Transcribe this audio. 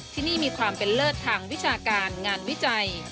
ที่นี่มีความเป็นเลิศทางวิชาการงานวิจัย